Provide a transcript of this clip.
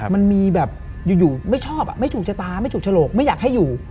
มันมีแบบอยู่ไม่ชอบไม่ถูกชะตาไม่ถูกฉลกไม่อยากให้อยู่